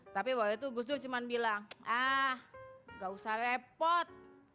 tapi waktu itu gus dur cuma bilang ah nggak usah repot